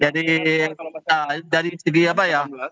jadi dari segi apa ya